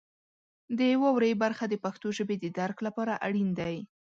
د واورئ برخه د پښتو ژبې د درک لپاره اړین دی.